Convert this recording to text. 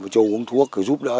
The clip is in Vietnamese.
cho uống thuốc cứ giúp đỡ